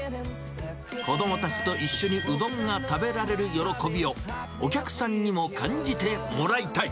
子どもたちと一緒にうどんが食べられる喜びを、お客さんにも感じてもらいたい。